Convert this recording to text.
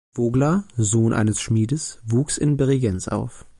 Vogler, Sohn eines Schmiedes, wuchs in Bregenz auf.